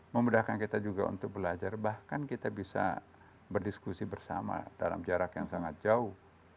memudahkan kita juga untuk belajar bahkan kita bisa berdiskusi bersama dalam jarak yang sangat jauh